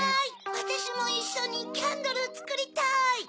わたしもいっしょにキャンドルつくりたい！